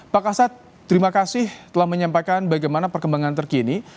pak kasat terima kasih telah menyampaikan bagaimana perkembangan terkini